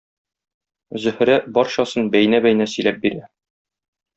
Зөһрә барчасын бәйнә-бәйнә сөйләп бирә.